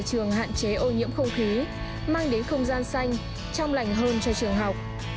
nhà trường hạn chế ô nhiễm không khí mang đến không gian xanh trong lành hôn cho trường học